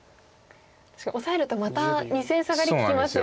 確かにオサえるとまた２線サガリ利きますよね。